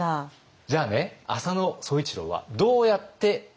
じゃあね浅野総一郎はどうやって勝ちにいったのか。